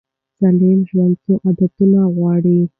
سالم ژوند څو عادتونه غواړي.